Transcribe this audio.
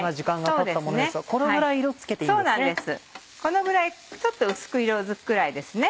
このぐらいちょっと薄く色づくくらいです。